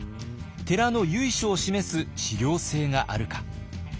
寺の由緒を示す史料性があるか。